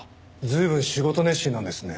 随分仕事熱心なんですね。